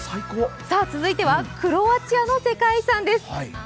続いてはクロアチアの世界遺産です。